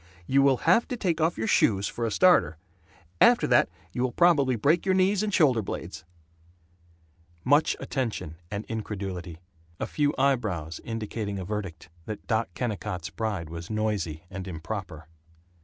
You will have to take off your shoes, for a starter! After that you will probably break your knees and shoulder blades." Much attention and incredulity. A few eyebrows indicating a verdict that Doc Kennicott's bride was noisy and improper.